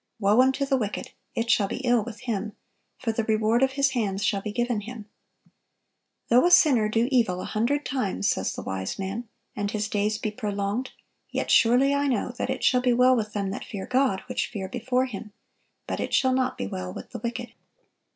"Woe unto the wicked! it shall be ill with him: for the reward of his hands shall be given him."(944) "Though a sinner do evil a hundred times," says the wise man, "and his days be prolonged, yet surely I know that it shall be well with them that fear God, which fear before Him: but it shall not be well with the wicked."